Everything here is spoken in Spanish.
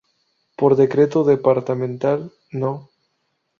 Por Decreto Departamental No.